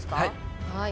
はい。